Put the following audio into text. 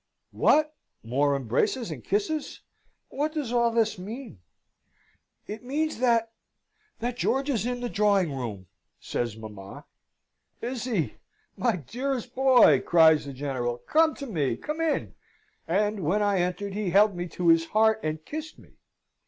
"What! more embraces and kisses! What does all this mean?" "It means that that George is in the drawing room," says mamma. "Is he! My dearest boy!" cries the General. "Come to me come in!" And when I entered he held me to his heart, and kissed me.